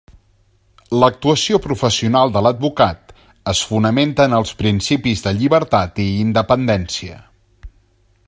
L'actuació professional de l'advocat es fonamenta en els principis de llibertat i independència.